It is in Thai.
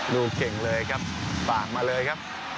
ลูกเก่งเลยครับฝากมาเลยครับ